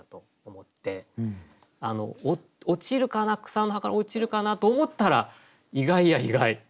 草の葉から落ちるかな？と思ったら意外や意外。